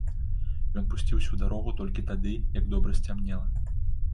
Ён пусціўся ў дарогу толькі тады, як добра сцямнела.